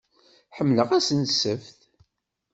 Ḥemmleɣ ass n ssebt.